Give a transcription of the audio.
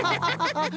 ハハハハ。